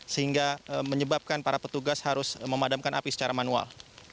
sehingga menyebabkan para petugas harus memadamkan api secara manual